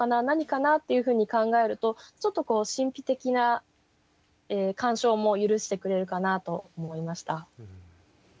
何かな？」っていうふうに考えるとちょっとこう神秘的な鑑賞も許してくれるかなと思いました。